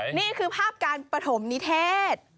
เดี๋ยวนี่คือภาพการปฐมนิเทศ